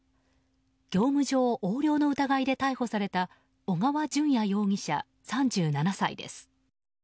業務上横領の疑いで逮捕された小川順也容疑者、３７歳です。